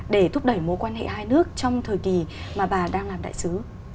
để thúc đẩy mối quan hệ hai nước trong thời kỳ mà bà đang làm đại sứ